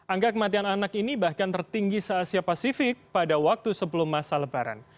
angka kematian anak ini bahkan tertinggi se asia pasifik pada waktu sebelum masa lebaran